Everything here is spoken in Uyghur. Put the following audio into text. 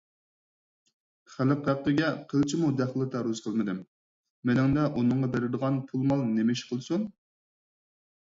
خەلق ھەققىگە قىلچىمۇ دەخلى - تەرۇز قىلمىدىم، مېنىڭدە ئۇنىڭغا بېرىدىغان پۇل - مال نېمە ئىش قىلسۇن؟